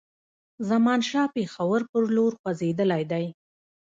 زمانشاه پېښور پر لور خوځېدلی دی.